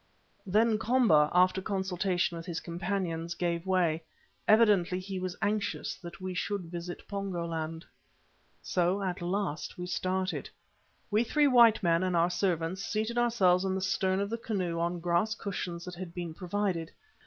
Then Komba, after consultation with his companions, gave way. Evidently he was anxious that we should visit Pongo land. So at last we started. We three white men and our servants seated ourselves in the stern of the canoe on grass cushions that had been provided.